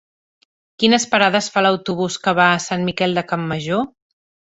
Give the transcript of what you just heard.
Quines parades fa l'autobús que va a Sant Miquel de Campmajor?